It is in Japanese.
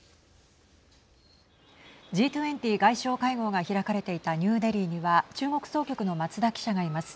Ｇ２０外相会合が開かれていたニューデリーには中国総局の松田記者がいます。